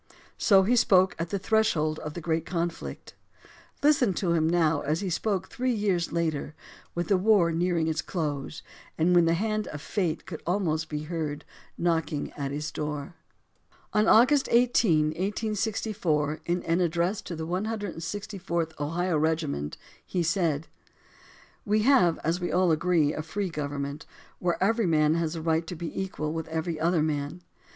So he spoke at the threshold of the great conflict. Listen to him now as he spoke three years later, with the war nearing its close and when the hand of fate could almost be heard knocking at his door. On 152 THE DEMOCRACY OF ABRAHAM LINCOLN August 18, 1864, in an address to the 164th Ohio Regi ment, he said: We have, as all will agree, a free government, where every man has a right to be equal with every other man.